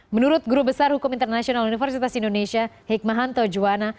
menurut guru besar hukum internasional universitas indonesia hikmahanto juwana